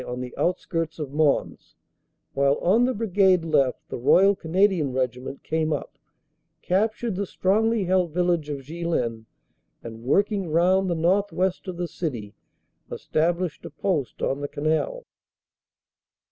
on the outskirts of Mons, while on the Brigade left the Royal Canadian Regiment came up, cap tured the strongly held village of Ghlin, and working round the northwest of the city, established a post on the canal.